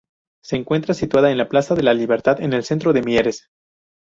Se encuentra situada en la Plaza de la Libertad, en el centro de Mieres.